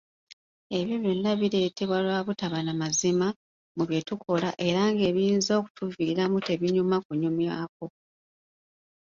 Ebyo byonna bireetebwa lwa butaba namazima, mu bye tukola era ng'ebiyinza okutuviiramu tebinyuma kunyumyako!